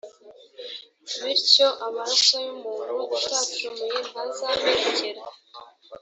bityo amaraso y’umuntu utacumuye ntazamenekera